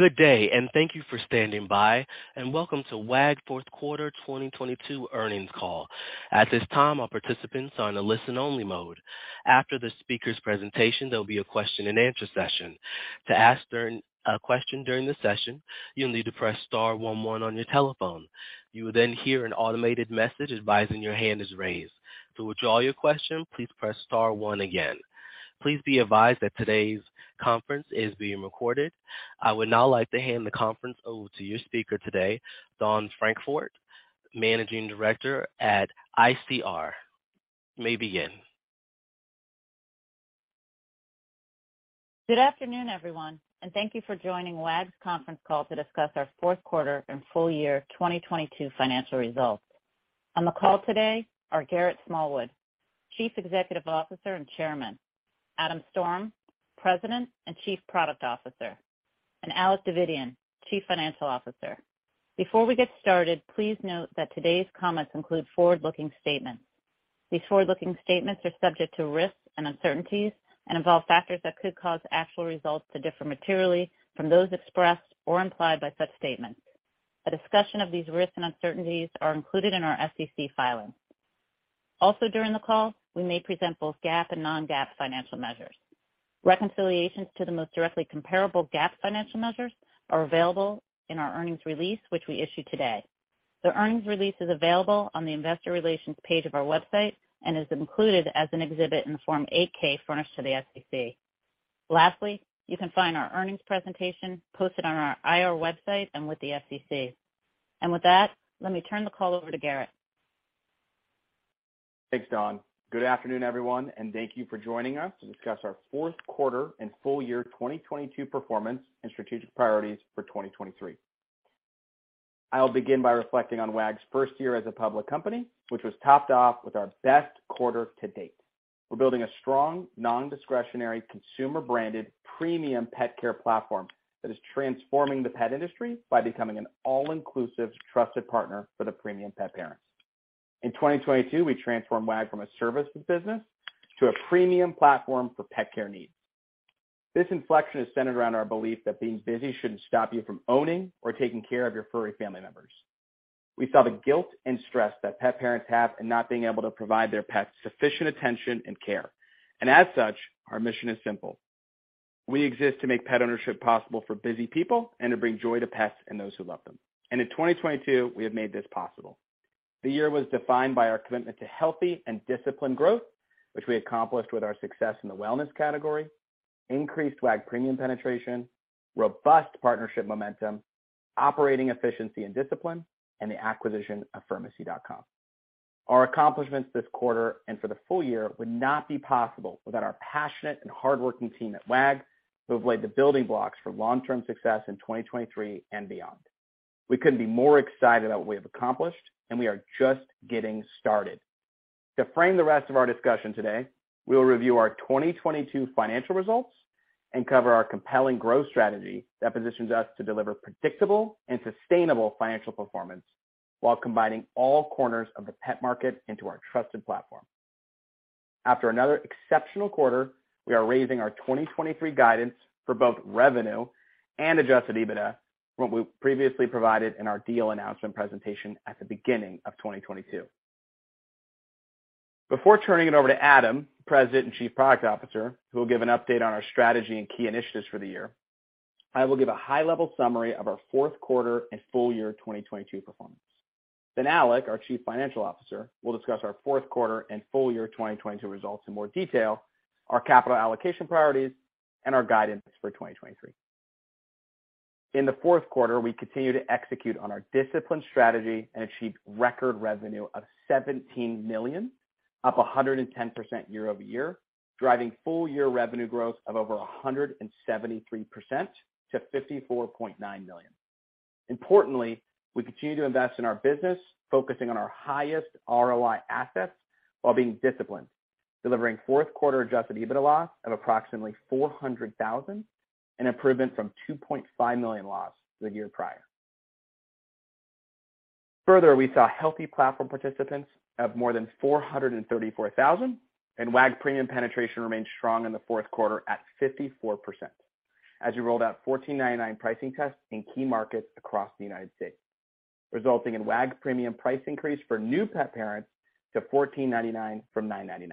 Good day. Thank you for standing by. Welcome to Wag! fourth quarter 2022 earnings call. At this time, all participants are on a listen-only mode. After the speaker's presentation, there'll be a question-and-answer session. To ask a question during the session, you'll need to press star one one on your telephone. You will then hear an automated message advising your hand is raised. To withdraw your question, please press star one again. Please be advised that today's conference is being recorded. I would now like to hand the conference over to your speaker today, Dawn Francfort, Managing Director at ICR. You may begin. Good afternoon, everyone, thank you for joining Wag!'s conference call to discuss our fourth quarter and full year 2022 financial results. On the call today are Garrett Smallwood, Chief Executive Officer and Chairman, Adam Storm, President and Chief Product Officer, and Alec Davidian, Chief Financial Officer. Before we get started, please note that today's comments include forward-looking statements. These forward-looking statements are subject to risks and uncertainties and involve factors that could cause actual results to differ materially from those expressed or implied by such statements. A discussion of these risks and uncertainties are included in our SEC filings. Also, during the call, we may present both GAAP and non-GAAP financial measures. Reconciliations to the most directly comparable GAAP financial measures are available in our earnings release, which we issued today. The earnings release is available on the investor relations page of our website and is included as an exhibit in the Form 8-K furnished to the SEC. Lastly, you can find our earnings presentation posted on our IR website and with the SEC. With that, let me turn the call over to Garrett. Thanks, Dawn. Good afternoon, everyone, thank you for joining us to discuss our fourth quarter and full year 2022 performance and strategic priorities for 2023. I'll begin by reflecting on Wag!'s first year as a public company, which was topped off with our best quarter to date. We're building a strong, non-discretionary, consumer-branded premium pet care platform that is transforming the pet industry by becoming an all-inclusive, trusted partner for the premium Pet Parents. In 2022, we transformed Wag! from a services business to a premium platform for pet care needs. This inflection is centered around our belief that being busy shouldn't stop you from owning or taking care of your furry family members. We saw the guilt and stress that pet parents have in not being able to provide their pets sufficient attention and care. As such, our mission is simple: we exist to make pet ownership possible for busy people and to bring joy to pets and those who love them. In 2022, we have made this possible. The year was defined by our commitment to healthy and disciplined growth, which we accomplished with our success in the wellness category, increased Wag! Premium penetration, robust partnership momentum, operating efficiency and discipline, and the acquisition of Furmacy. Our accomplishments this quarter and for the full year would not be possible without our passionate and hardworking team at Wag!, who have laid the building blocks for long-term success in 2023 and beyond. We couldn't be more excited about what we have accomplished, and we are just getting started. To frame the rest of our discussion today, we will review our 2022 financial results and cover our compelling growth strategy that positions us to deliver predictable and sustainable financial performance while combining all corners of the pet market into our trusted platform. After another exceptional quarter, we are raising our 2023 guidance for both revenue and Adjusted EBITDA from what we previously provided in our deal announcement presentation at the beginning of 2022. Before turning it over to Adam, President and Chief Product Officer, who will give an update on our strategy and key initiatives for the year, I will give a high-level summary of our fourth quarter and full year 2022 performance. Alec, our Chief Financial Officer, will discuss our fourth quarter and full year 2022 results in more detail, our capital allocation priorities, and our guidance for 2023. In the fourth quarter, we continued to execute on our disciplined strategy and achieved record revenue of $17 million, up 110% year-over-year, driving full-year revenue growth of over 173% to $54.9 million. Importantly, we continue to invest in our business, focusing on our highest ROI assets while being disciplined, delivering fourth quarter Adjusted EBITDA loss of approximately $400,000, an improvement from $2.5 million loss the year prior. Further, we saw healthy platform participants of more than 434,000, and Wag! Premium penetration remained strong in the fourth quarter at 54% as we rolled out $14.99 pricing tests in key markets across the United States, resulting in Wag! Premium price increase for new pet parents to $14.99 from $9.99.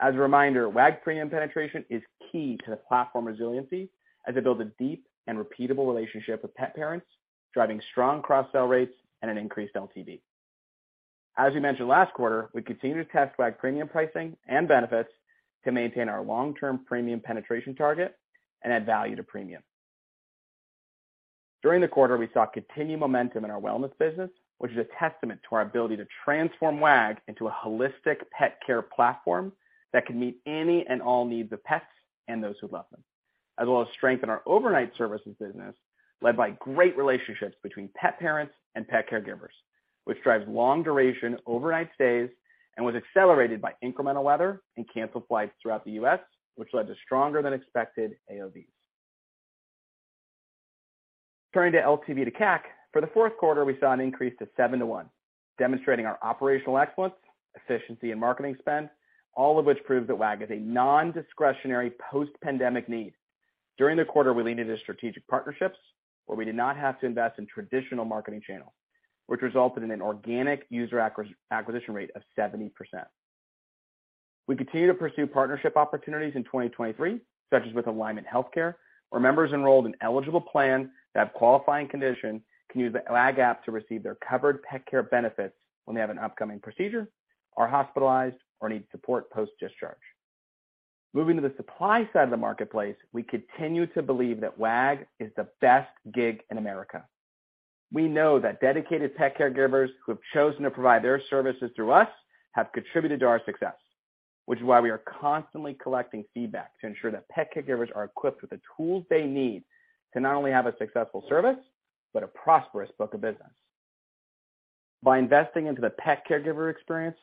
As a reminder, Wag!. Premium penetration is key to the platform resiliency as they build a deep and repeatable relationship with pet parents, driving strong cross-sell rates and an increased LTV. As we mentioned last quarter, we continue to test Wag! Premium pricing and benefits to maintain our long-term premium penetration target and add value to premium. During the quarter, we saw continued momentum in our wellness business, which is a testament to our ability to transform Wag! into a holistic pet care platform that can meet any and all needs of pets and those who love them. As well as strength in our overnight services business, led by great relationships between pet parents and pet caregivers, which drives long-duration overnight stays and was accelerated by incremental weather and canceled flights throughout the U.S., which led to stronger than expected AOBs. Turning to LTV to CAC, for the fourth quarter, we saw an increase to 7 to 1, demonstrating our operational excellence, efficiency in marketing spend, all of which prove that Wag! is a non-discretionary post-pandemic need. During the quarter, we leaned into strategic partnerships where we did not have to invest in traditional marketing channels, which resulted in an organic user acquisition rate of 70%. We continue to pursue partnership opportunities in 2023, such as with Alignment Healthcare, where members enrolled in eligible plans that have qualifying condition can use the Wag! app to receive their covered pet care benefits when they have an upcoming procedure, are hospitalized, or need support post-discharge. Moving to the supply side of the marketplace, we continue to believe that Wag! is the best gig in America. We know that dedicated pet caregivers who have chosen to provide their services through us have contributed to our success, which is why we are constantly collecting feedback to ensure that pet caregivers are equipped with the tools they need to not only have a successful service, but a prosperous book of business. By investing into the pet caregiver experience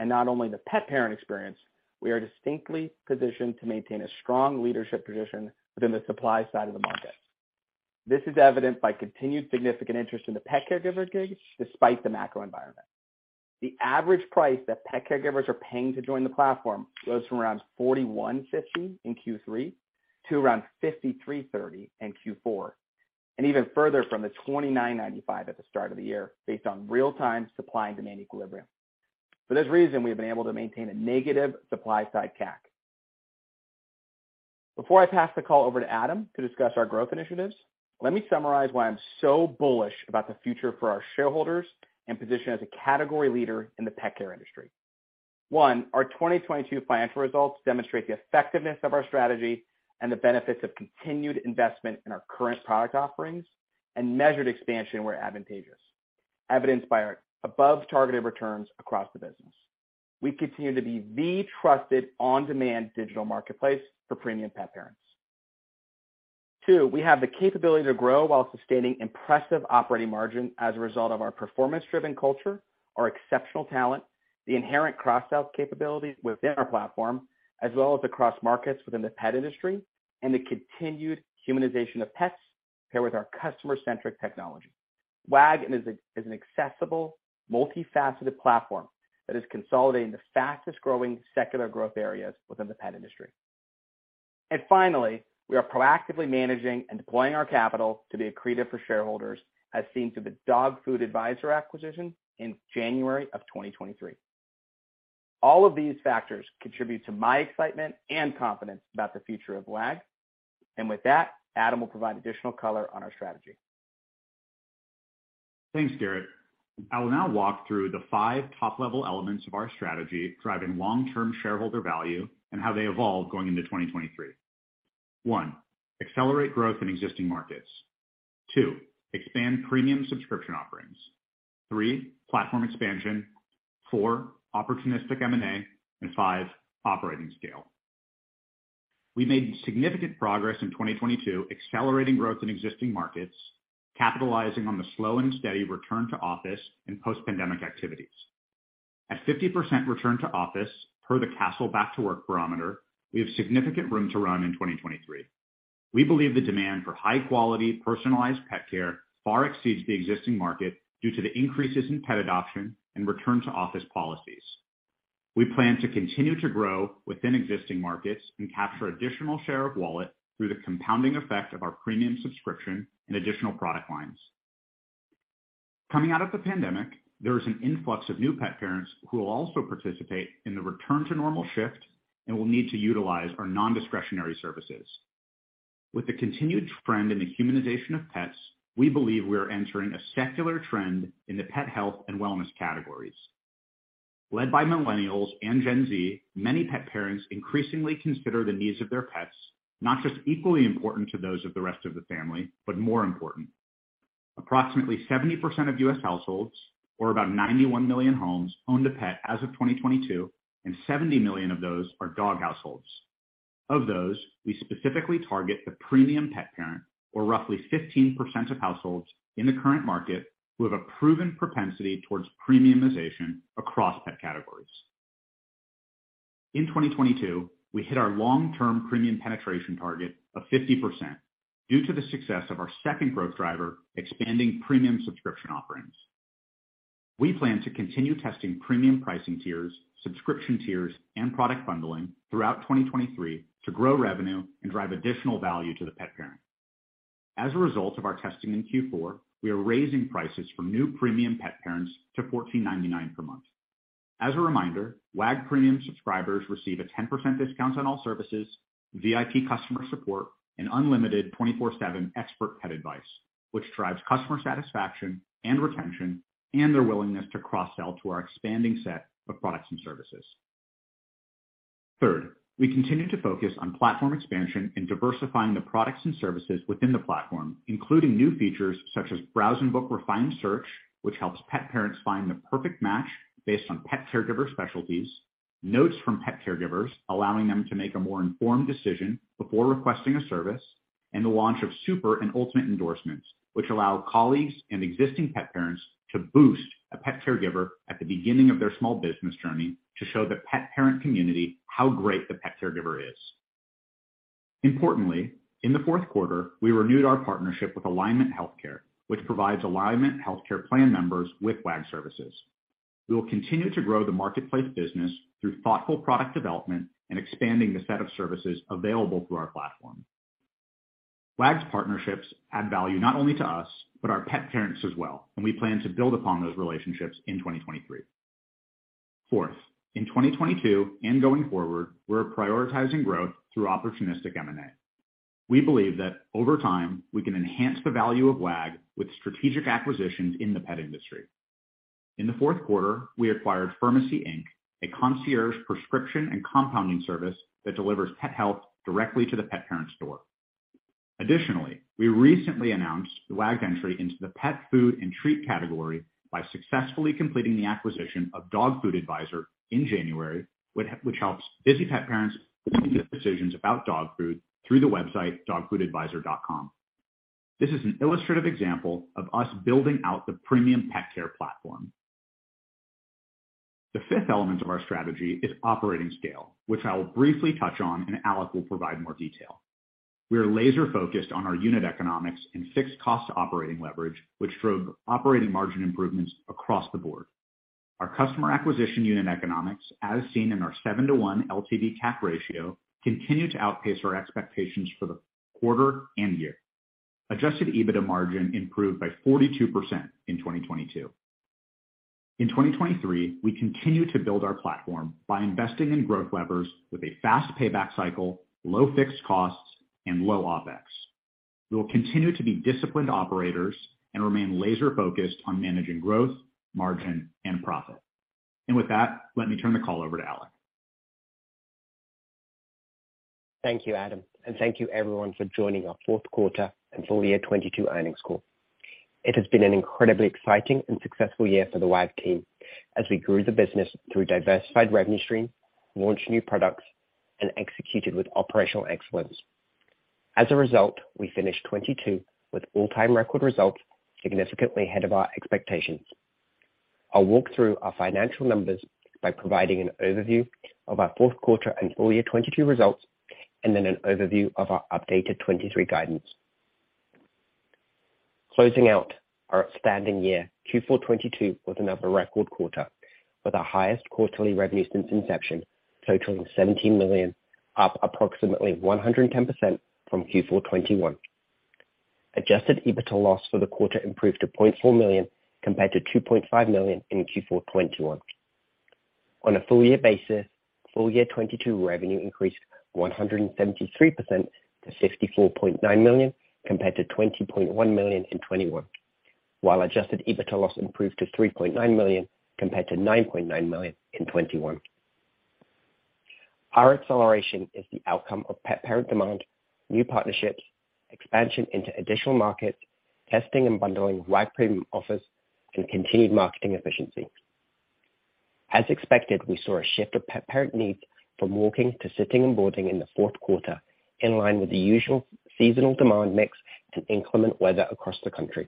and not only the pet parent experience, we are distinctly positioned to maintain a strong leadership position within the supply side of the market. This is evident by continued significant interest in the pet caregiver gig despite the macro environment. The average price that pet caregivers are paying to join the platform goes from around $41.50 in Q3 to around $53.30 in Q4, and even further from the $29.95 at the start of the year, based on real-time supply and demand equilibrium. For this reason, we have been able to maintain a negative supply side CAC. Before I pass the call over to Adam to discuss our growth initiatives, let me summarize why I'm so bullish about the future for our shareholders and position as a category leader in the pet care industry. One, our 2022 financial results demonstrate the effectiveness of our strategy and the benefits of continued investment in our current product offerings and measured expansion where advantageous, evidenced by our above targeted returns across the business. We continue to be the trusted on-demand digital marketplace for premium pet parents. Two, we have the capability to grow while sustaining impressive operating margin as a result of our performance-driven culture, our exceptional talent, the inherent cross-sell capabilities within our platform, as well as across markets within the pet industry, and the continued humanization of pets paired with our customer-centric technology. Wag! is an accessible, multifaceted platform that is consolidating the fastest growing secular growth areas within the pet industry. Finally, we are proactively managing and deploying our capital to be accretive for shareholders as seen through the Dog Food Advisor acquisition in January of 2023. All of these factors contribute to my excitement and confidence about the future of Wag!. With that, Adam will provide additional color on our strategy. Thanks, Garrett. I will now walk through the five top-level elements of our strategy driving long-term shareholder value and how they evolve going into 2023. one, Accelerate growth in existing markets. two, Expand premium subscription offerings. three, Platform expansion. four, Opportunistic M&A. and five Operating scale. We made significant progress in 2022 accelerating growth in existing markets, capitalizing on the slow and steady return to office and post-pandemic activities. At 50% return to office per the Kastle Back to Work Barometer, we have significant room to run in 2023. We believe the demand for high-quality, personalized pet care far exceeds the existing market due to the increases in pet adoption and return to office policies. We plan to continue to grow within existing markets and capture additional share of wallet through the compounding effect of our premium subscription and additional product lines. Coming out of the pandemic, there is an influx of new pet parents who will also participate in the return to normal shift and will need to utilize our non-discretionary services. With the continued trend in the humanization of pets, we believe we are entering a secular trend in the pet health and wellness categories. Led by Millennials and Gen Z, many pet parents increasingly consider the needs of their pets not just equally important to those of the rest of the family, but more important. Approximately 70% of U.S. households, or about 91 million homes, owned a pet as of 2022, and 70 million of those are dog households. Of those, we specifically target the premium pet parent, or roughly 15% of households in the current market, who have a proven propensity towards premiumization across pet categories. In 2022, we hit our long-term premium penetration target of 50% due to the success of our second growth driver, expanding premium subscription offerings. We plan to continue testing premium pricing tiers, subscription tiers, and product bundling throughout 2023 to grow revenue and drive additional value to the pet parent. As a result of our testing in Q4, we are raising prices for new premium pet parents to $14.99 per month. As a reminder, Wag! premium subscribers receive a 10% discount on all services, VIP customer support, and unlimited 24/7 expert pet advice, which drives customer satisfaction and retention, and their willingness to cross-sell to our expanding set of products and services. Third, we continue to focus on platform expansion and diversifying the products and services within the platform, including new features such as Browse and Book refined search, which helps pet parents find the perfect match based on pet caregiver specialties, notes from pet caregivers, allowing them to make a more informed decision before requesting a service, and the launch of super and ultimate endorsements, which allow colleagues and existing pet parents to boost a pet caregiver at the beginning of their small business journey to show the pet parent community how great the pet caregiver is. Importantly, in the fourth quarter, we renewed our partnership with Alignment Healthcare, which provides Alignment Healthcare plan members with Wag!'s services. We will continue to grow the marketplace business through thoughtful product development and expanding the set of services available through our platform. Wag!'s partnerships add value not only to us, but our pet parents as well. We plan to build upon those relationships in 2023. Fourth, in 2022 and going forward, we're prioritizing growth through opportunistic M&A. We believe that over time, we can enhance the value of Wag! with strategic acquisitions in the pet industry. In the fourth quarter, we acquired Furmacy, Inc., a concierge prescription and compounding service that delivers pet health directly to the pet parent's door. Additionally, we recently announced the Wag! entry into the pet food and treat category by successfully completing the acquisition of Dog Food Advisor in January, which helps busy pet parents make decisions about dog food through the website dogfoodadvisor.com. This is an illustrative example of us building out the premium pet care platform. The fifth element of our strategy is operating scale, which I will briefly touch on and Alec will provide more detail. We are laser focused on our unit economics and fixed cost operating leverage, which drove operating margin improvements across the board. Our customer acquisition unit economics, as seen in our 7-to-1 LTV CAC ratio, continued to outpace our expectations for the quarter and year. Adjusted EBITDA margin improved by 42% in 2022. In 2023, we continue to build our platform by investing in growth levers with a fast payback cycle, low fixed costs, and low OpEx. We will continue to be disciplined operators and remain laser focused on managing growth, margin, and profit. With that, let me turn the call over to Alec. Thank you, Adam, and thank you everyone for joining our fourth quarter and full year 2022 earnings call. It has been an incredibly exciting and successful year for the Wag! team as we grew the business through diversified revenue stream, launched new products, and executed with operational excellence. As a result, we finished 2022 with all-time record results, significantly ahead of our expectations. I'll walk through our financial numbers by providing an overview of our fourth quarter and full year 2022 results, and then an overview of our updated 2023 guidance. Closing out our outstanding year, Q4 2022 was another record quarter, with our highest quarterly revenue since inception totaling $17 million, up approximately 110% from Q4 2021. Adjusted EBITDA loss for the quarter improved to $0.4 million compared to $2.5 million in Q4 2021. On a full year basis, full year 2022 revenue increased 173% to $64.9 million, compared to $20.1 million in 2021. Adjusted EBITDA loss improved to $3.9 million compared to $9.9 million in 2021. Our acceleration is the outcome of pet parent demand, new partnerships, expansion into additional markets, testing and bundling of Wag! Premium offers, and continued marketing efficiency. As expected, we saw a shift of pet parent needs from walking to sitting and boarding in the fourth quarter, in line with the usual seasonal demand mix and inclement weather across the country.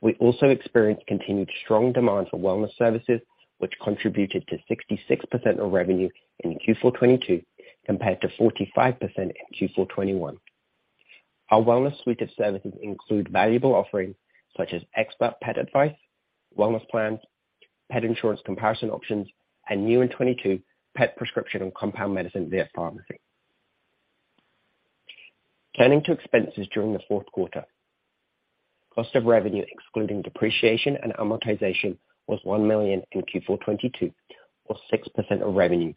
We also experienced continued strong demand for wellness services, which contributed to 66% of revenue in Q4 2022 compared to 45% in Q4 2021. Our wellness suite of services include valuable offerings such as expert pet advice, wellness plans, pet insurance comparison options, and new in 2022, pet prescription and compound medicine via Furmacy. Turning to expenses during the fourth quarter. Cost of revenue, excluding depreciation and amortization, was $1 million in Q4 2022, or 6% of revenue,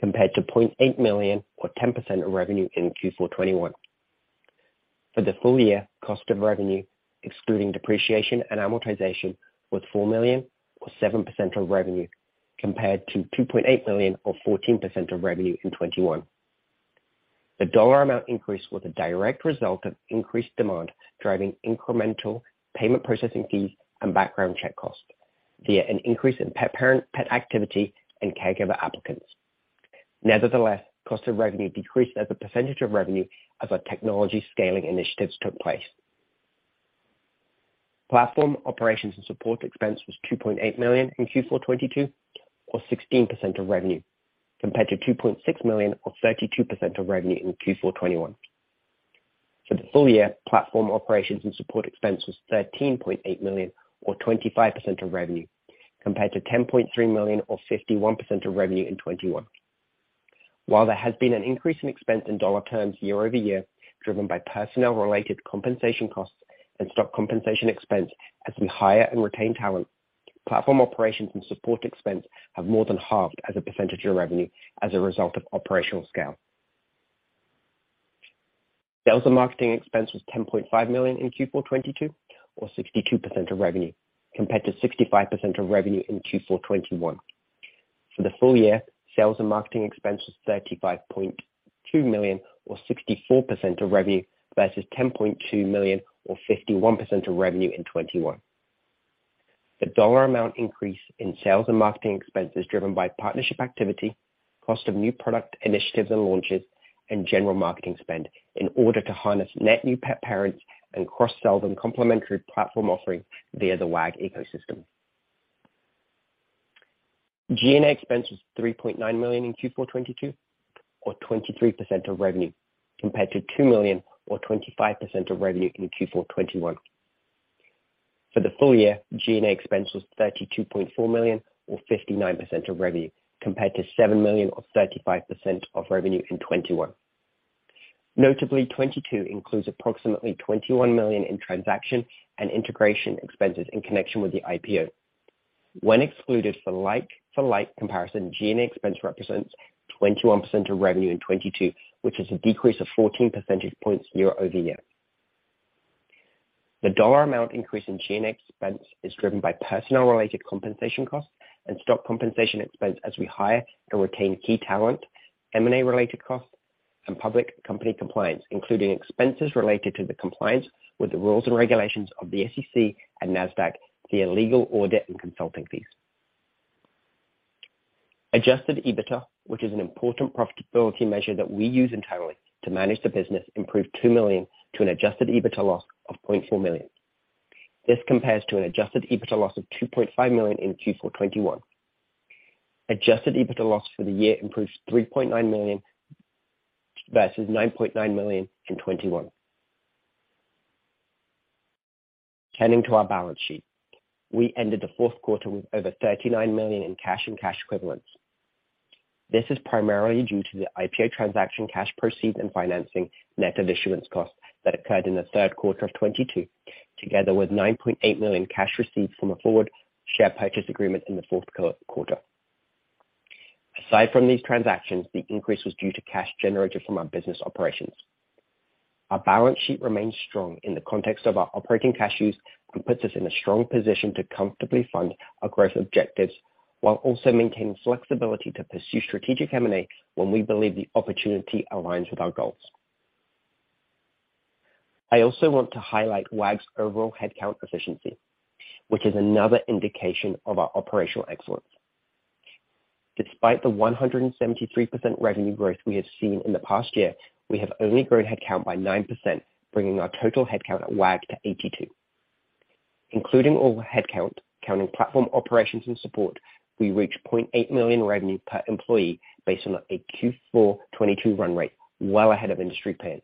compared to $0.8 million or 10% of revenue in Q4 2021. For the full year, cost of revenue, excluding depreciation and amortization, was $4 million or 7% of revenue, compared to $2.8 million or 14% of revenue in 2021. The dollar amount increase was a direct result of increased demand, driving incremental payment processing fees and background check costs via an increase in pet parent, pet activity and caregiver applicants. Nevertheless, cost of revenue decreased as a percentage of revenue as our technology scaling initiatives took place. Platform operations and support expense was $2.8 million in Q4 2022, or 16% of revenue, compared to $2.6 million, or 32% of revenue in Q4 2021. For the full year, platform operations and support expense was $13.8 million or 25% of revenue, compared to $10.3 million or 51% of revenue in 2021. While there has been an increase in expense in dollar terms year-over-year, driven by personnel-related compensation costs and stock compensation expense as we hire and retain talent, platform operations and support expense have more than halved as a percentage of revenue as a result of operational scale. Sales and marketing expense was $10.5 million in Q4 2022, or 62% of revenue, compared to 65% of revenue in Q4 2021. For the full year, sales and marketing expense was $35.2 million or 64% of revenue versus $10.2 million or 51% of revenue in 2021. The dollar amount increase in sales and marketing expense is driven by partnership activity, cost of new product initiatives and launches, and general marketing spend in order to harness net new pet parents and cross-sell them complimentary platform offerings via the Wag! ecosystem. G&A expenses $3.9 million in Q4 2022, or 23% of revenue, compared to $2 million or 25% of revenue in Q4 2022. For the full year, G&A expense was $32.4 million or 59% of revenue, compared to $7 million or 35% of revenue in 2021. Notably, 2022 includes approximately $21 million in transaction and integration expenses in connection with the IPO. When excluded for like, for like comparison, G&A expense represents 21% of revenue in 2022, which is a decrease of 14 percentage points year-over-year. The dollar amount increase in G&A expense is driven by personnel-related compensation costs and stock compensation expense as we hire and retain key talent, M&A related costs, and public company compliance, including expenses related to the compliance with the rules and regulations of the SEC and NASDAQ via legal audit and consulting fees. Adjusted EBITDA, which is an important profitability measure that we use entirely to manage the business, improved $2 million to an Adjusted EBITDA loss of $0.4 million. This compares to an Adjusted EBITDA loss of $2.5 million in Q4 2022. Adjusted EBITDA loss for the year improved $3.9 million versus $9.9 million in 2021. Turning to our balance sheet. We ended the fourth quarter with over $39 million in cash and cash equivalents. This is primarily due to the IPO transaction cash proceeds and financing net of issuance costs that occurred in the third quarter of 2022, together with $9.8 million cash received from a forward share purchase agreement in the fourth quarter. Aside from these transactions, the increase was due to cash generated from our business operations. Our balance sheet remains strong in the context of our operating cash use and puts us in a strong position to comfortably fund our growth objectives, while also maintaining flexibility to pursue strategic M&A when we believe the opportunity aligns with our goals. I also want to highlight Wag's overall headcount efficiency, which is another indication of our operational excellence. Despite the 173% revenue growth we have seen in the past year, we have only grown headcount by 9%, bringing our total headcount at Wag! to 82. Including all headcount, counting platform operations and support, we reach $0.8 million revenue per employee based on a Q4 2022 run rate, well ahead of industry peers.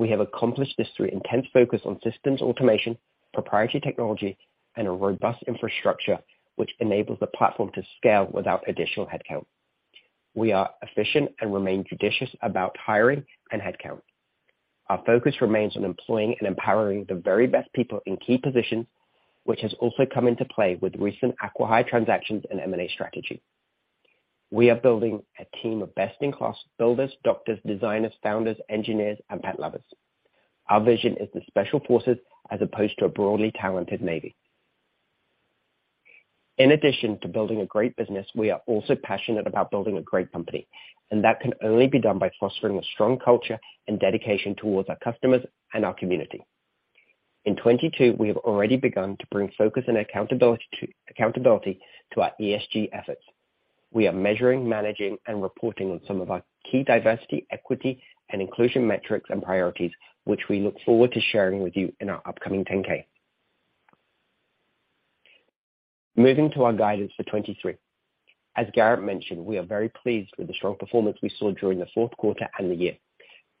We have accomplished this through intense focus on systems automation, proprietary technology, and a robust infrastructure which enables the platform to scale without additional headcount. We are efficient and remain judicious about hiring and headcount. Our focus remains on employing and empowering the very best people in key positions, which has also come into play with recent acqui-hire transactions and M&A strategy. We are building a team of best-in-class builders, doctors, designers, founders, engineers, and pet lovers. Our vision is the special forces as opposed to a broadly talented navy. In addition to building a great business, we are also passionate about building a great company, that can only be done by fostering a strong culture and dedication towards our customers and our community. In 2022, we have already begun to bring focus and accountability to our ESG efforts. We are measuring, managing and reporting on some of our key diversity, equity and inclusion metrics and priorities, which we look forward to sharing with you in our upcoming 10-K. Moving to our guidance for 2023. As Garrett mentioned, we are very pleased with the strong performance we saw during the fourth quarter and the year.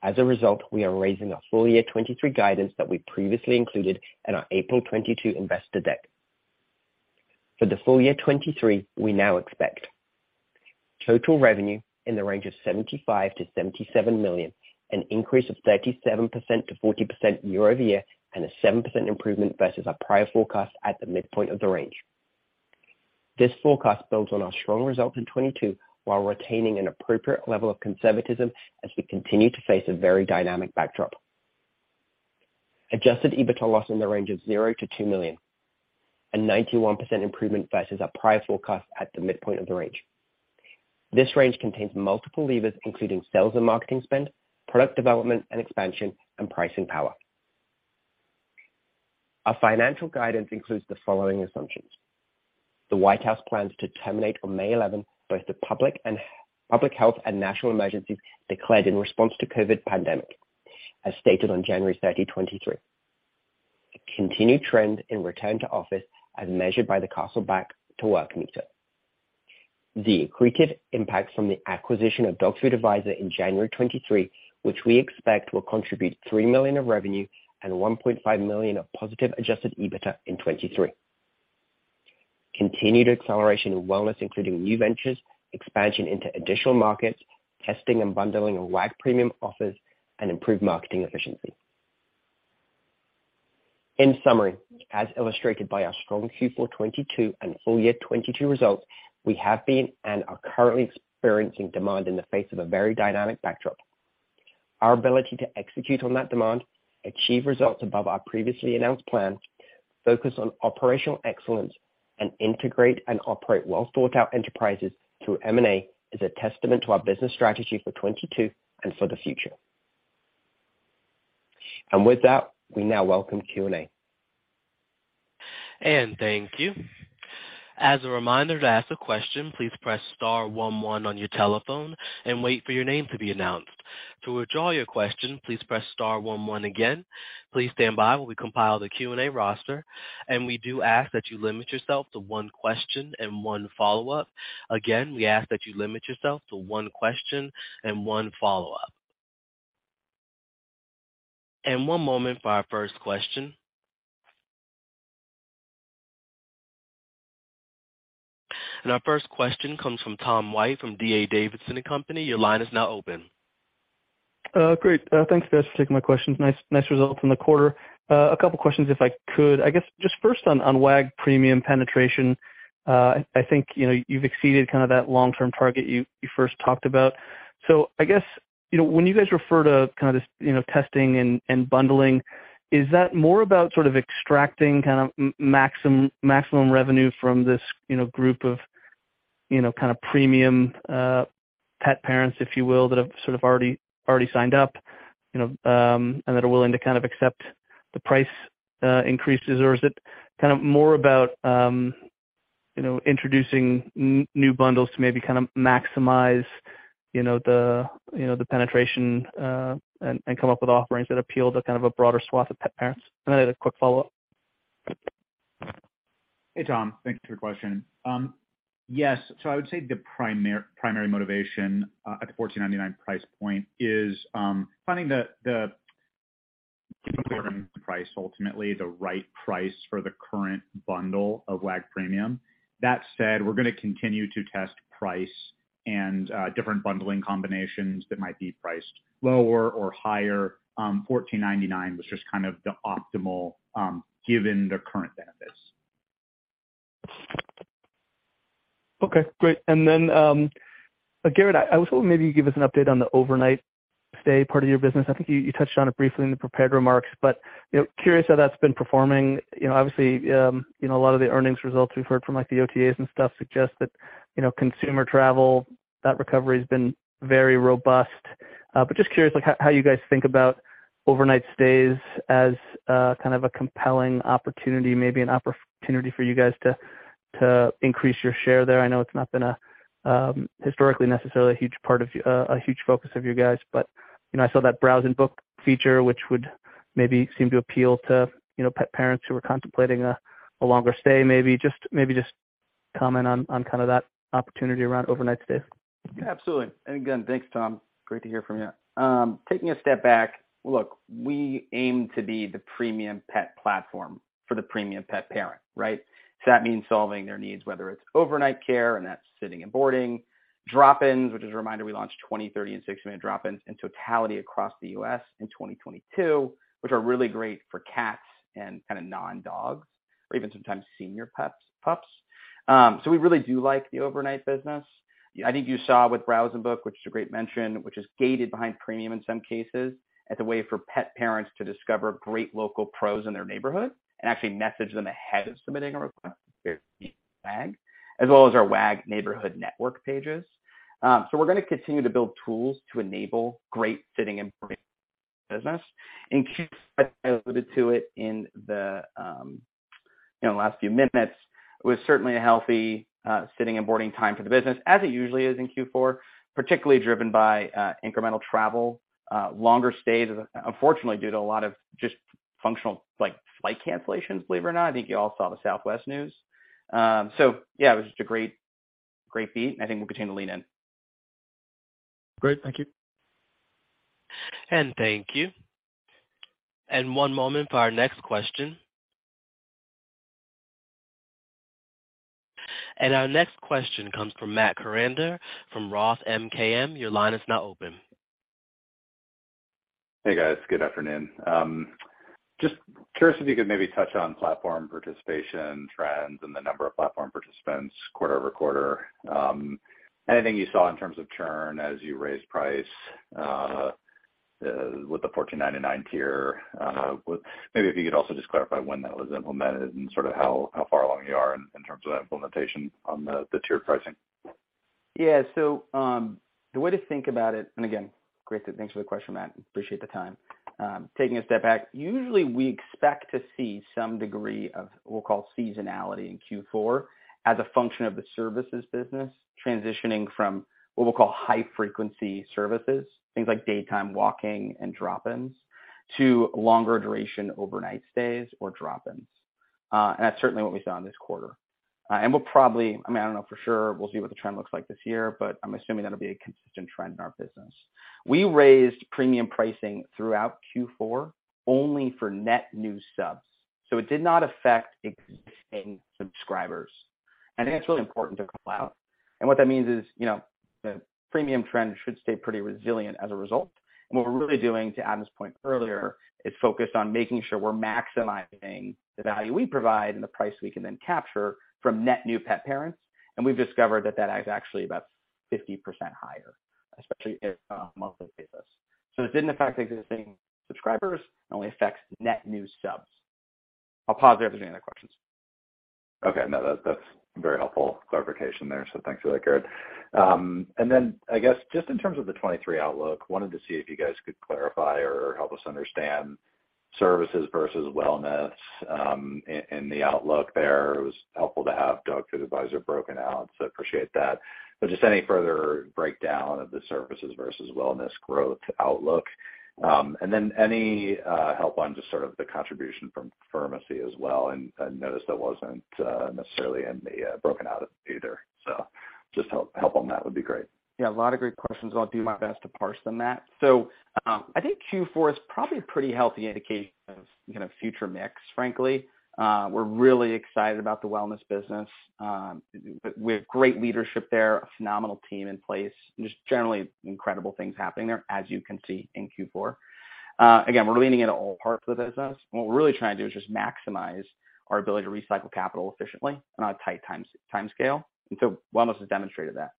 As a result, we are raising our full year 2023 guidance that we previously included in our April 2022 investor deck. For the full year 2023, we now expect total revenue in the range of $75 million-$77 million, an increase of 37%-40% year-over-year, and a 7% improvement versus our prior forecast at the midpoint of the range. This forecast builds on our strong results in 2022 while retaining an appropriate level of conservatism as we continue to face a very dynamic backdrop. Adjusted EBITDA loss in the range of $0-$2 million, a 91% improvement versus our prior forecast at the midpoint of the range. This range contains multiple levers, including sales and marketing spend, product development and expansion, and pricing power. Our financial guidance includes the following assumptions. The White House plans to terminate on May 11th both the public health and national emergencies declared in response to COVID pandemic, as stated on January 30, 2023. A continued trend in return to office as measured by the Kastle Back to Work Barometer. The accreted impacts from the acquisition of Dog Food Advisor in January 2023, which we expect will contribute $3 million of revenue and $1.5 million of positive Adjusted EBITDA in 2023. Continued acceleration in wellness, including new ventures, expansion into additional markets, testing and bundling of Wag! Premium offers, improved marketing efficiency. In summary, as illustrated by our strong Q4 2022 and full year 2022 results, we have been and are currently experiencing demand in the face of a very dynamic backdrop. Our ability to execute on that demand, achieve results above our previously announced plans, focus on operational excellence, and integrate and operate well-thought-out enterprises through M&A is a testament to our business strategy for 2022 and for the future. With that, we now welcome Q&A. Thank you. As a reminder to ask a question, please press star one one on your telephone and wait for your name to be announced. To withdraw your question, please press star one one again. Please stand by while we compile the Q&A roster. We do ask that you limit yourself to one question and one follow-up. Again, we ask that you limit yourself to one question and one follow-up. One moment for our first question. Our first question comes from Tom White from D.A. Davidson & Co.. Your line is now open. Great. Thanks guys for taking my questions. Nice, nice results from the quarter. A couple of questions, if I could. I guess just first on Wag! Premium penetration. I think, you know, you've exceeded kind of that long-term target you first talked about. I guess, you know, when you guys refer to kind of this, you know, testing and bundling, is that more about sort of extracting kind of maximum revenue from this, you know, group of, you know, kind of premium pet parents, if you will, that have sort of already signed up, you know, and that are willing to kind of accept the price increases? Is it kind of more about, you know, introducing new bundles to maybe kind of maximize, you know, the, you know, the penetration, and come up with offerings that appeal to kind of a broader swath of pet parents? Then I had a quick follow-up. Hey, Tom. Thanks for your question. Yes. I would say the primary motivation at the $14.99 price point is finding the price, ultimately, the right price for the current bundle of Wag! Premium. That said, we're gonna continue to test price and different bundling combinations that might be priced lower or higher. $14.99 was just kind of the optimal given the current benefits. Okay, great. Then, Garrett, I was hoping maybe you give us an update on the overnight stay part of your business. I think you touched on it briefly in the prepared remarks, but, you know, curious how that's been performing. You know, obviously, you know, a lot of the earnings results we've heard from, like, the OTAs and stuff suggest that, you know, consumer travel, that recovery has been very robust. Just curious, like, how you guys think about overnight stays as kind of a compelling opportunity, maybe an opportunity for you guys to increase your share there. I know it's not been a, historically necessarily a huge part of a huge focus of you guys, but, you know, I saw that Browse and Book feature, which would maybe seem to appeal to, you know, pet parents who are contemplating a longer stay, maybe. Just, maybe just comment on kind of that opportunity around overnight stays. Absolutely. Again, thanks, Tom. Great to hear from you. Taking a step back, look, we aim to be the premium pet platform for the premium Pet Parent, right? That means solving their needs, whether it's overnight care, and that's sitting and boarding, drop-ins, which is a reminder we launched 20, 30, and 60-minute drop-ins in totality across the U.S. in 2022, which are really great for cats and kind of non-dogs or even sometimes senior pups. We really do like the overnight business. I think you saw with Browse and Book, which is a great mention, which is gated behind Premium in some cases, as a way for pet parents to discover great local pros in their neighborhood and actually message them ahead of submitting a request Wag!, as well as our Wag! Neighborhood Network pages. We're gonna continue to build tools to enable great sitting and business. In Q4, I alluded to it in the, you know, last few minutes, it was certainly a healthy sitting and boarding time for the business as it usually is in Q4, particularly driven by incremental travel, longer stays, unfortunately, due to a lot of just functional, like, flight cancellations, believe it or not. I think you all saw the Southwest news. Yeah, it was just a great beat, and I think we'll continue to lean in. Great. Thank you. Thank you. One moment for our next question. Our next question comes from Matt Koranda from ROTH MKM. Your line is now open. Hey, guys. Good afternoon. Just curious if you could maybe touch on platform participation trends and the number of platform participants quarter-over-quarter. Anything you saw in terms of churn as you raised price with the $14.99 tier. Maybe if you could also just clarify when that was implemented and sort of how far along you are in terms of that implementation on the tier pricing. Yeah. The way to think about it. Again, great. Thanks for the question, Matt. Appreciate the time. Taking a step back, usually we expect to see some degree of we'll call seasonality in Q4 as a function of the services business transitioning from what we'll call high-frequency services, things like daytime walking and drop-ins, to longer duration overnight stays or drop-ins. That's certainly what we saw in this quarter. I mean, I don't know for sure. We'll see what the trend looks like this year, but I'm assuming that'll be a consistent trend in our business. We raised premium pricing throughout Q4 only for net new subs, so it did not affect existing subscribers. I think that's really important to call out. What that means is, you know, the premium trend should stay pretty resilient as a result. What we're really doing, to add to this point earlier, is focused on making sure we're maximizing the value we provide and the price we can then capture from net new pet parents. We've discovered that that is actually about 50% higher, especially if on a monthly basis. It didn't affect existing subscribers. It only affects net new subs. I'll pause there if there's any other questions. Okay. No, that's very helpful clarification there. Thanks for that, Garrett. I guess just in terms of the 23 outlook, wanted to see if you guys could clarify or help us understand services versus wellness, in the outlook there, it was helpful to have Dog Food Advisor broken out, so appreciate that. Just any further breakdown of the services versus wellness growth outlook. Any help on just sort of the contribution from Furmacy as well. I noticed that wasn't necessarily in the broken out either. Just help on that would be great. A lot of great questions. I'll do my best to parse them, Matt. I think Q4 is probably a pretty healthy indication of, you know, future mix, frankly. We're really excited about the wellness business. We have great leadership there, a phenomenal team in place, and just generally incredible things happening there, as you can see in Q4. Again, we're leaning into all parts of the business. What we're really trying to do is just maximize our ability to recycle capital efficiently on a tight timescale. Wellness has demonstrated that.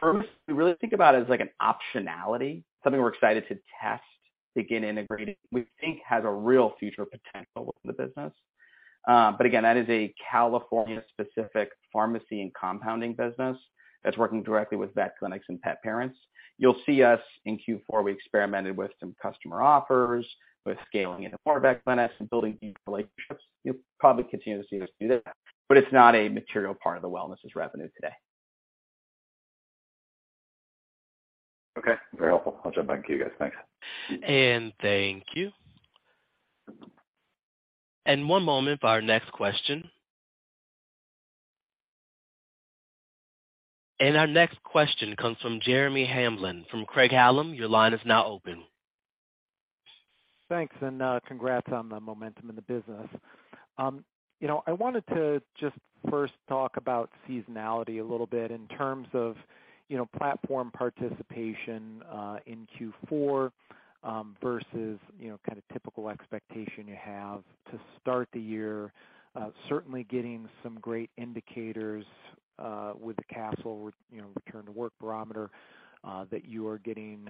First, we really think about it as, like, an optionality, something we're excited to test, begin integrating. We think has a real future potential within the business. But again, that is a California-specific pharmacy and compounding business that's working directly with vet clinics and pet parents. You'll see us in Q4, we experimented with some customer offers, with scaling into more vet clinics and building deep relationships. You'll probably continue to see us do that, but it's not a material part of the wellness' revenue today. Okay. Very helpful. I'll jump back to you guys. Thanks. Thank you. One moment for our next question. Our next question comes from Jeremy Hamblin from Craig-Hallum. Your line is now open. Thanks, congrats on the momentum in the business. You know, I wanted to just first talk about seasonality a little bit in terms of, you know, platform participation in Q4 versus, you know, kind of typical expectation you have to start the year. Certainly getting some great indicators with the Kastle, you know, Return to Work Barometer that you are getting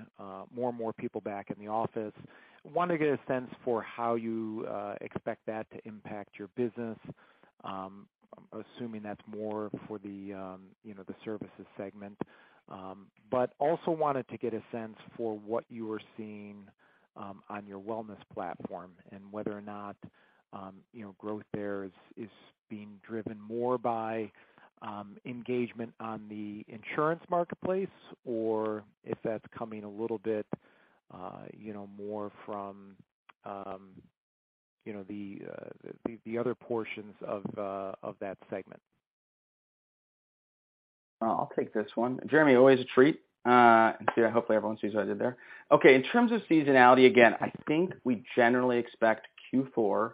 more and more people back in the office. Wanted to get a sense for how you expect that to impact your business. Assuming that's more for the, you know, the services segment. Also wanted to get a sense for what you are seeing on your wellness platform and whether or not, you know, growth there is being driven more by engagement on the insurance marketplace or if that's coming a little bit, you know, more from, you know, the other portions of that segment. I'll take this one. Jeremy, always a treat. Hopefully everyone sees what I did there. In terms of seasonality, again, I think we generally expect Q4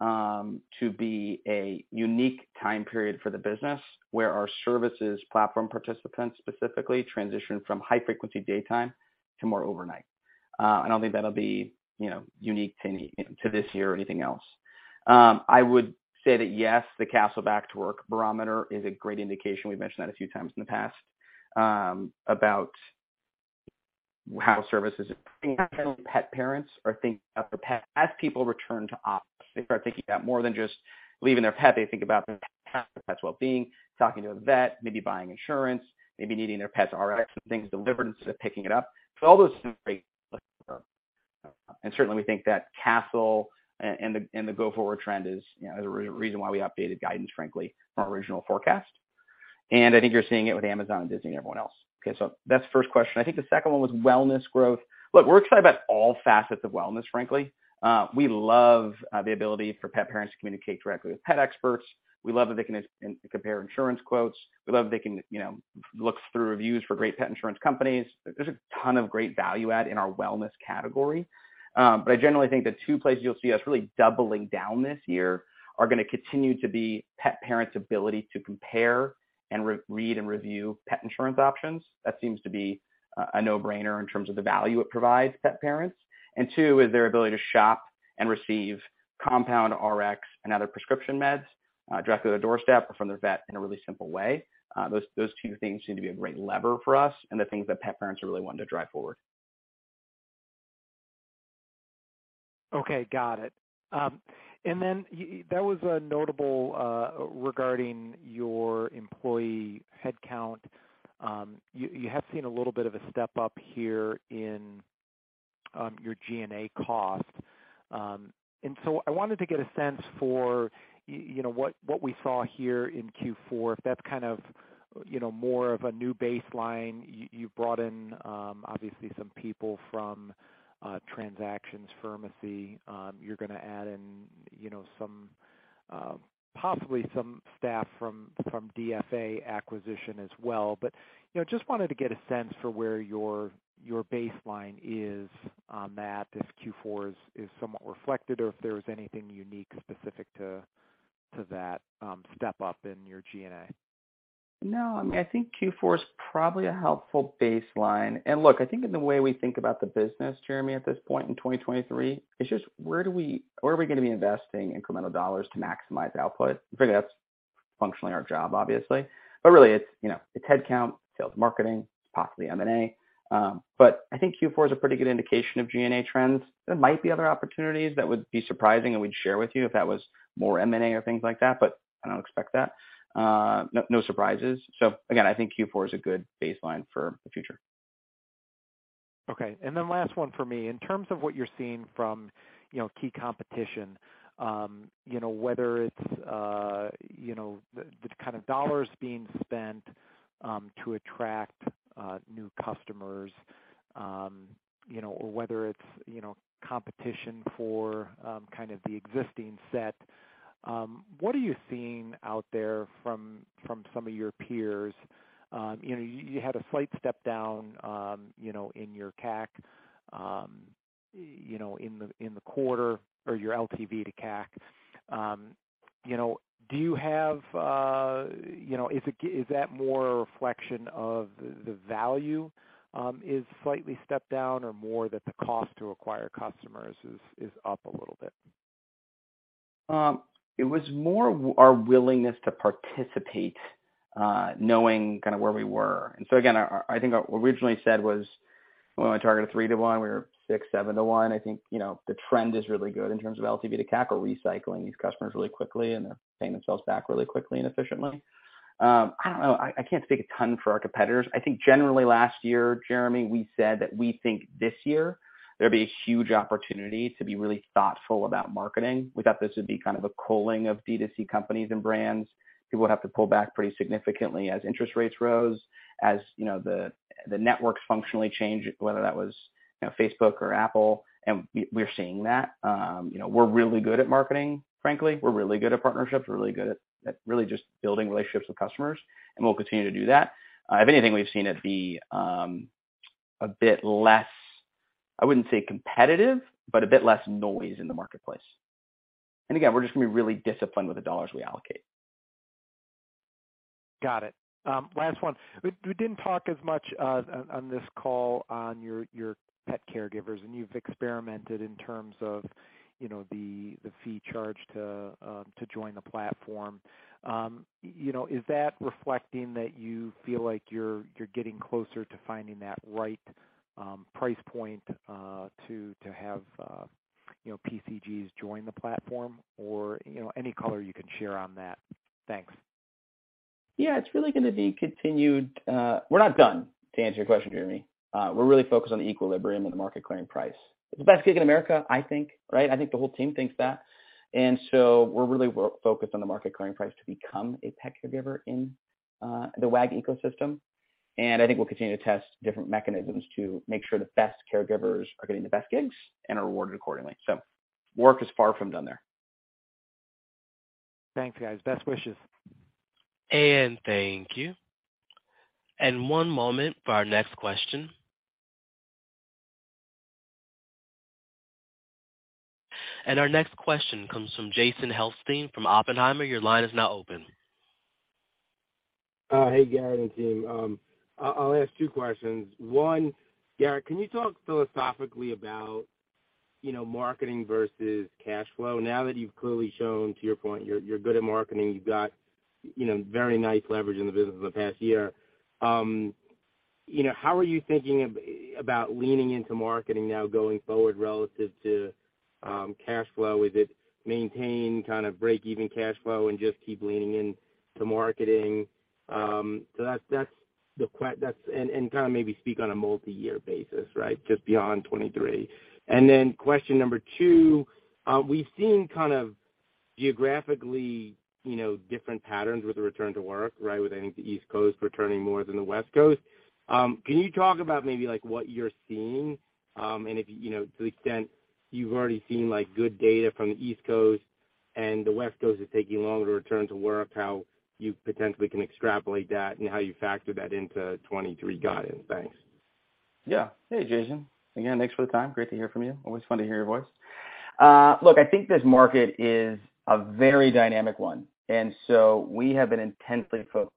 to be a unique time period for the business, where our services platform participants specifically transition from high-frequency daytime to more overnight. I'll think that'll be, you know, unique to any, you know, to this year or anything else. I would say that yes, the Kastle Back to Work Barometer is a great indication, we've mentioned that a few times in the past, about how services pet parents are thinking of their pet as people return to office. They start thinking about more than just leaving their pet. They think about the pet's wellbeing, talking to the vet, maybe buying insurance, maybe needing their pet's RX and things delivered instead of picking it up. All those. Certainly we think that Kastle and the go forward trend is, you know, the reason why we updated guidance, frankly, from our original forecast. I think you're seeing it with Amazon and Disney and everyone else. Okay. That's the first question. I think the second one was wellness growth. Look, we're excited about all facets of wellness, frankly. We love the ability for pet parents to communicate directly with pet experts. We love that they can compare insurance quotes. We love they can, you know, look through reviews for great pet insurance companies. There's a ton of great value add in our wellness category. I generally think the two places you'll see us really doubling down this year are gonna continue to be pet parents' ability to compare and read and review pet insurance options. That seems to be a no-brainer in terms of the value it provides pet parents. Two is their ability to shop and receive compound RX and other prescription meds, directly to their doorstep or from their vet in a really simple way. Those two things seem to be a great lever for us and the things that pet parents are really wanting to drive forward. Okay, got it. That was a notable regarding your employee headcount. You have seen a little bit of a step-up here in your G&A cost. I wanted to get a sense for, you know, what we saw here in Q4, if that's kind of, you know, more of a new baseline. You brought in obviously some people from Furmacy. You're gonna add in, you know, some possibly some staff from DFA acquisition as well. You know, just wanted to get a sense for where your baseline is on that, if Q4 is somewhat reflected or if there was anything unique specific to that step up in your G&A. No, I mean, I think Q4 is probably a helpful baseline. Look, I think in the way we think about the business, Jeremy, at this point in 2023, it's just where are we going to be investing incremental dollars to maximize output? I figured that's functionally our job, obviously. Really it's, you know, it's headcount, sales marketing, possibly M&A. I think Q4 is a pretty good indication of G&A trends. There might be other opportunities that would be surprising, and we'd share with you if that was more M&A or things like that, but I don't expect that. No surprises. Again, I think Q4 is a good baseline for the future. Okay. Last one for me. In terms of what you're seeing from, you know, key competition, you know, whether it's, you know, the kind of dollars being spent to attract new customers, you know, or whether it's, you know, competition for kind of the existing set, what are you seeing out there from some of your peers? You know, you had a slight step down, you know, in your CAC, you know, in the quarter or your LTV to CAC. You know, is that more a reflection of the value is slightly stepped down or more that the cost to acquire customers is up a little bit? It was more our willingness to participate, knowing kind of where we were. Again, I think what originally said was when we targeted 3 to 1, we were 6, 7 to 1. I think, you know, the trend is really good in terms of LTV to CAC. We're recycling these customers really quickly, and they're paying themselves back really quickly and efficiently. I don't know. I can't speak a ton for our competitors. I think generally last year, Jeremy, we said that we think this year there'd be a huge opportunity to be really thoughtful about marketing. We thought this would be kind of a culling of D2C companies and brands. People have to pull back pretty significantly as interest rates rose, as, you know, the networks functionally change, whether that was, you know, Facebook or Apple, and we're seeing that. you know, we're really good at marketing, frankly. We're really good at partnerships. We're really good at really just building relationships with customers, and we'll continue to do that. If anything, we've seen it be a bit less, I wouldn't say competitive, but a bit less noise in the marketplace. Again, we're just gonna be really disciplined with the dollars we allocate. Got it. Last one. We didn't talk as much on this call on your pet caregivers, and you've experimented in terms of, you know, the fee charged to join the platform. you know, is that reflecting that you feel like you're getting closer to finding that right price point to have, you know, PCGs join the platform? Or, you know, any color you can share on that? Thanks. Yeah, it's really gonna be continued. We're not done, to answer your question, Jeremy. We're really focused on the equilibrium and the market clearing price. It's the best gig in America, I think, right? I think the whole team thinks that. We're really focused on the market clearing price to become a pet caregiver in the Wag! ecosystem. I think we'll continue to test different mechanisms to make sure the best caregivers are getting the best gigs and are rewarded accordingly. Work is far from done there. Thanks, guys. Best wishes. Thank you. One moment for our next question. Our next question comes from Jason Helfstein from Oppenheimer. Your line is now open. Hey, Garrett and team. I'll ask two questions. One, Garrett, can you talk philosophically about, you know, marketing versus cash flow? Now that you've clearly shown, to your point, you're good at marketing, you've got, you know, very nice leverage in the business in the past year. You know, how are you thinking about leaning into marketing now going forward relative to cash flow? Is it maintain kind of break-even cash flow and just keep leaning into marketing? So that's the. Kinda maybe speak on a multi-year basis, right? Just beyond 23. Question number two, we've seen kind of geographically, you know, different patterns with the return to work, right, with I think the East Coast returning more than the West Coast. Can you talk about maybe like what you're seeing, and if, you know, to the extent you've already seen like good data from the East Coast and the West Coast is taking longer to return to work, how you potentially can extrapolate that and how you factor that into 23 guidance? Thanks. Yeah. Hey, Jason. Again, thanks for the time. Great to hear from you. Always fun to hear your voice. Look, I think this market is a very dynamic one, we have been intensely focused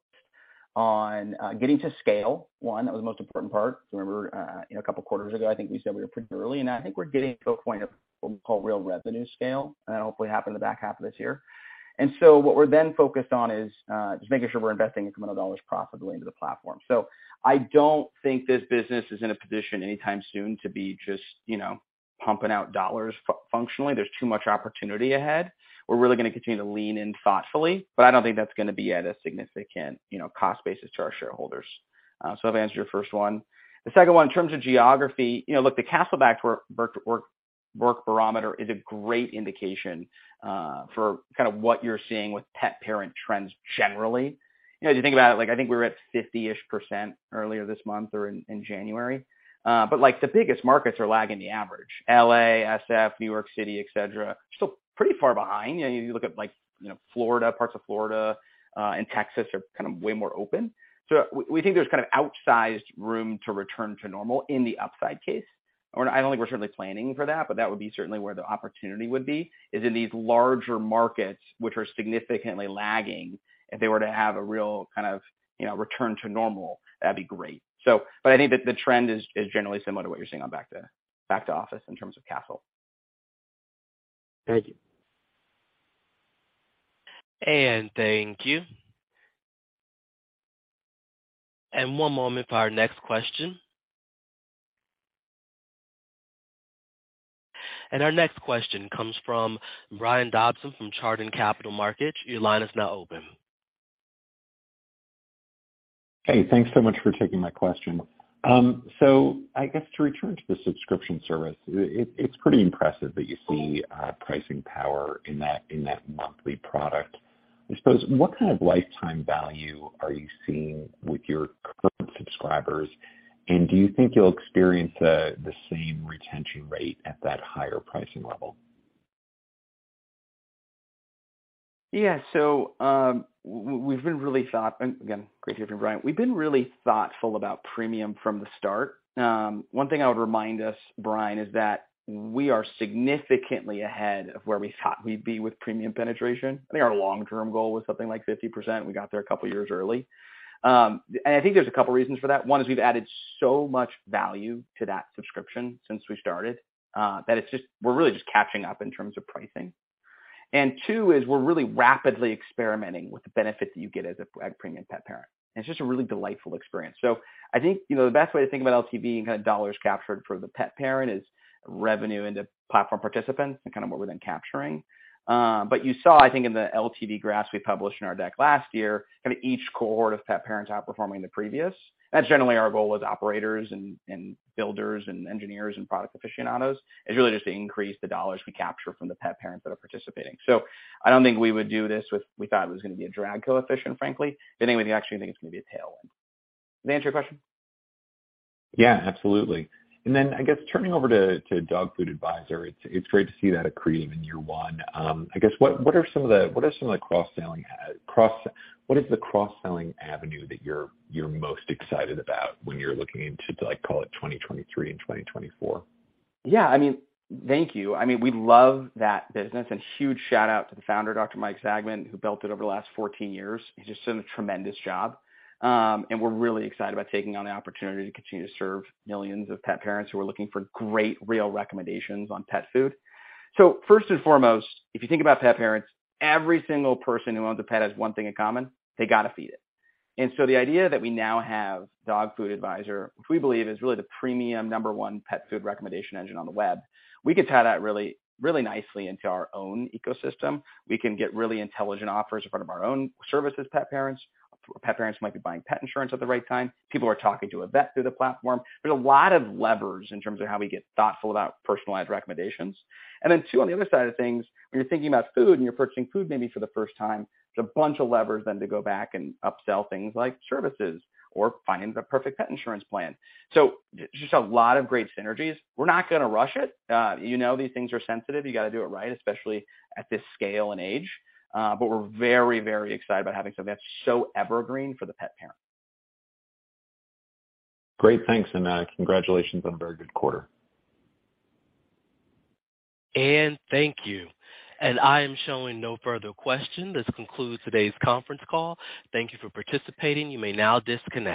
on getting to scale, one, that was the most important part. Remember, you know, a couple of quarters ago, I think we said we were pretty early, and I think we're getting to a point of what we call real revenue scale. That'll hopefully happen in the back half of this year. What we're then focused on is just making sure we're investing incremental dollars profitably into the platform. I don't think this business is in a position anytime soon to be just, you know, pumping out dollars functionally. There's too much opportunity ahead. We're really gonna continue to lean in thoughtfully, but I don't think that's gonna be at a significant, you know, cost basis to our shareholders. I've answered your first one. The second one, in terms of geography, you know, look, the Kastle Back to Work Barometer is a great indication, for kind of what you're seeing with pet parent trends generally. You know, as you think about it, like, I think we were at 50%-ish earlier this month or in January. Like, the biggest markets are lagging the average. L.A., S.F., New York City, et cetera, still pretty far behind. You know, you look at like, you know, Florida, parts of Florida, and Texas are kind of way more open. We, we think there's kind of outsized room to return to normal in the upside case. I don't think we're certainly planning for that, but that would be certainly where the opportunity would be, is in these larger markets which are significantly lagging. If they were to have a real kind of, you know, return to normal, that'd be great. I think that the trend is generally similar to what you're seeing on back to office in terms of Kastle. Thank you. Thank you. One moment for our next question. Our next question comes from Brian Dobson from Chardan Capital Markets. Your line is now open. Thanks so much for taking my question. I guess to return to the subscription service, it's pretty impressive that you see pricing power in that, in that monthly product. I suppose, what kind of lifetime value are you seeing with your current subscribers? Do you think you'll experience the same retention rate at that higher pricing level? Yeah. Again, great hearing from Brian. We've been really thoughtful about premium from the start. One thing I would remind us, Brian, is that we are significantly ahead of where we thought we'd be with premium penetration. I think our long-term goal was something like 50%. We got there a couple of years early. I think there's a couple of reasons for that. One is we've added so much value to that subscription since we started, that it's just we're really just catching up in terms of pricing. Two is we're really rapidly experimenting with the benefit that you get as a premium pet parent. It's just a really delightful experience. I think, you know, the best way to think about LTV and kind of dollars captured for the pet parent is revenue into platform participants and kind of what we've been capturing. You saw, I think in the LTV graphs we published in our deck last year, kind of each cohort of pet parents outperforming the previous. That's generally our goal as operators and builders and engineers and product aficionados, is really just to increase the dollars we capture from the pet parents that are participating. I don't think we would do this with we thought it was gonna be a drag coefficient, frankly. Anyway, we actually think it's gonna be a tailwind. Did I answer your question? Yeah, absolutely. I guess turning over to Dog Food Advisor, it's great to see that accretive in year one. I guess what are some of the cross-selling avenue that you're most excited about when you're looking into, like, call it 2023 and 2024? Yeah, I mean, thank you. I mean, we love that business. Huge shout out to the founder, Dr. Mike Sagman who built it over the last 14 years. He's just done a tremendous job. We're really excited about taking on the opportunity to continue to serve millions of pet parents who are looking for great real recommendations on pet food. First and foremost, if you think about pet parents, every single person who owns a pet has one thing in common, they gotta feed it. The idea that we now have Dog Food Advisor, which we believe is really the premium number one pet food recommendation engine on the web, we could tie that really, really nicely into our own ecosystem. We can get really intelligent offers in front of our own services pet parents. Pet parents might be buying pet insurance at the right time. People are talking to a vet through the platform. There's a lot of levers in terms of how we get thoughtful about personalized recommendations. Two, on the other side of things, when you're thinking about food and you're purchasing food maybe for the first time, there's a bunch of levers then to go back and upsell things like services or finding the perfect pet insurance plan. Just a lot of great synergies. We're not gonna rush it. You know, these things are sensitive. You gotta do it right, especially at this scale and age. We're very, very excited about having something that's so evergreen for the pet parent. Great. Thanks, and, congratulations on a very good quarter. Thank you. I am showing no further questions. This concludes today's conference call. Thank you for participating. You may now disconnect.